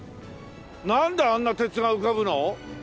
なんであんな鉄が浮かぶの？